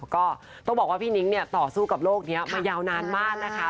ก็ต้องบอกว่าพี่นิ้งเนี่ยต่อสู้กับโลกนี้มายาวนานมากนะคะ